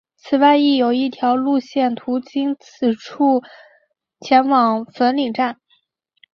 此外亦有一条路线途经此处前往粉岭站。